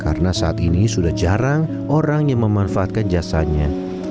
karena saat ini sudah jarang orang yang memanfaatkan jasanya